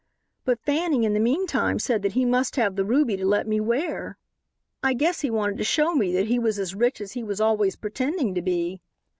But Fanning in the meantime said that he must have the ruby to let me wear. "I guess he wanted to show me that he was as rich as he was always pretending to be.